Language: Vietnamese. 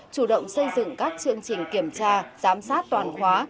chủ động xây dựng các chương trình kiểm tra giám sát toàn khóa